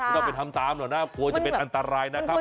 คุณก็ไปทำตามหน่อยนะควรจะเป็นอันตรายนะครับ